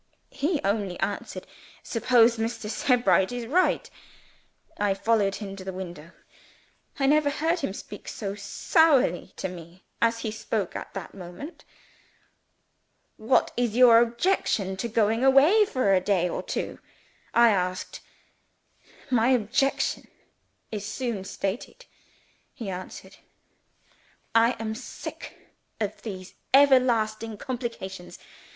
He only answered, 'Suppose Mr. Sebright is right?' I followed him to the window I never heard him speak so sourly to me as he spoke at that moment. 'What is your objection to going away for a day or two?' I asked. 'My objection is soon stated,' he answered. 'I am sick of these everlasting complications.